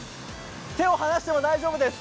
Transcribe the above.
手を離しても大丈夫です。